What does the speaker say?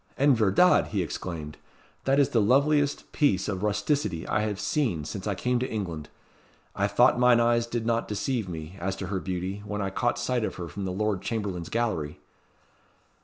"En verdad!" he exclaimed, "that is the loveliest piece of rusticity I have seen since I came to England. I thought mine eyes did not deceive me, as to her beauty, when I caught sight of her from the Lord Chamberlain's gallery."